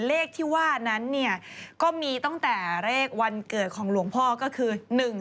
เลขที่ว่านั้นเนี่ยก็มีตั้งแต่เลขวันเกิดของหลวงพ่อก็คือ